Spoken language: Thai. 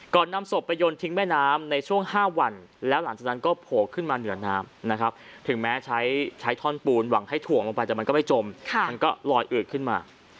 นำศพไปยนทิ้งแม่น้ำในช่วง๕วันแล้วหลังจากนั้นก็โผล่ขึ้นมาเหนือน้ำนะครับถึงแม้ใช้ท่อนปูนหวังให้ถ่วงลงไปแต่มันก็ไม่จมมันก็ลอยอืดขึ้นมา